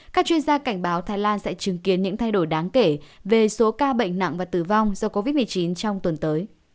các chuyên gia cảnh báo thái lan sẽ chứng kiến những thay đổi đáng kể về số ca bệnh nặng và tử vong do covid một mươi chín trong tuần tới